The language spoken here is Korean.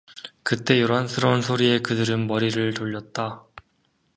그때 요란스러운 소리에 그들은 머리를 돌렸다.